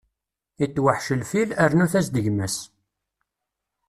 Itweḥḥec lfil, rnut-as-d gma-s!